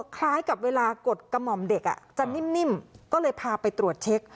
คล้ายกับเวลากดกระหม่อมเด็กจะนิ่มก็เลยพาไปตรวจเช็ค